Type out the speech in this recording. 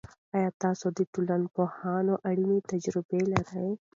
آیا تاسو د ټولنپوهنې اړوند تجربه لرئ؟